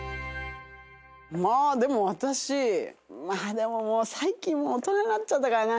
でも私まあでももう最近大人になっちゃったからな。